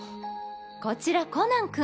こちらコナン君。